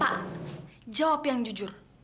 pak jawab yang jujur